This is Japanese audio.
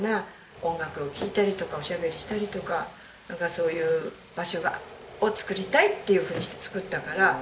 音楽を聴いたりとかおしゃべりしたりとかなんかそういう場所を作りたいっていうふうにして作ったから。